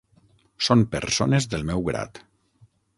Són persones del meu grat.